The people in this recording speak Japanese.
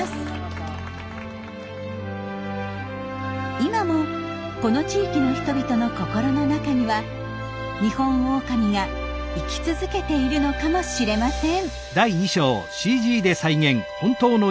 今もこの地域の人々の心の中にはニホンオオカミが生き続けているのかもしれません。